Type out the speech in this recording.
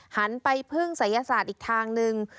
หันไปพึ่งศัยศาสตร์อีกทางนึง